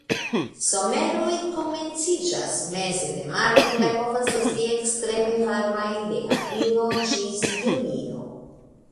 Someroj komenciĝas meze de marto kaj povas esti ekstreme varmaj de aprilo ĝis junio.